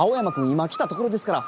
今来たところですから。